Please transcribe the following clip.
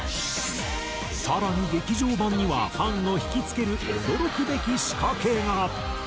更に劇場版にはファンを惹きつける驚くべき仕掛けが。